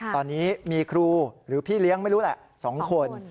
ตอนนี้มีครูหรือพี่เลี้ยงไม่รู้แหละ๒คน